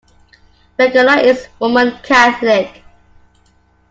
Begala is Roman Catholic.